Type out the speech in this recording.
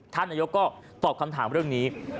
ท่านนายกก็ตอบคำถามเรื่องนี้